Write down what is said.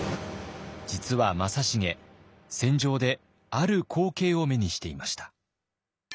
実は正成戦場である光景を目にしていました。